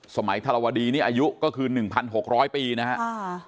สมัยธรวดีนี่อายุก็คือ๑๖๐๐ปีนะครับ